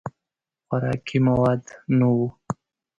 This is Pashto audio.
خوراکي مواد نه وو.